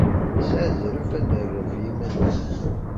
Nesɛa azref ad nerr ɣef yiman-nneɣ.